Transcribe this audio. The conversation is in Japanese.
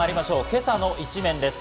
今朝の一面です。